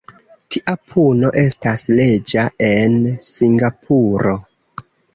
Tia puno estas leĝa en Singapuro.